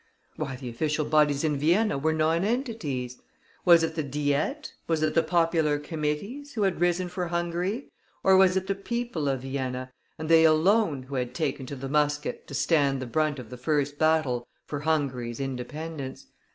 Why, the official bodies in Vienna were nonentities! Was it the Diet, was it the popular committees, who had risen for Hungary, or was it the people of Vienna, and they alone, who had taken to the musket to stand the brunt of the first battle for Hungary's independence?